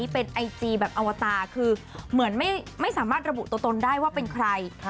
เป็นไอจีแบบอวตาคือเหมือนไม่สามารถระบุตัวตนได้ว่าเป็นใคร